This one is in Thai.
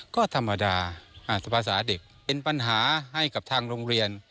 ก็ธรรมดาสภาษาเด็กเป็นปัญหาให้กับทางโรงเรียน